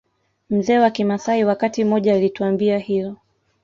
Mzee wa kimaasai wakati mmoja alituambia hilo